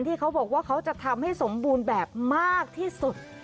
ที่เขาบอกว่าเขาจะทำให้สมบูรณ์แบบมากที่สุด